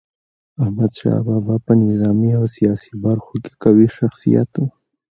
احمد شاه بابا په نظامي او سیاسي برخو کي قوي شخصیت و.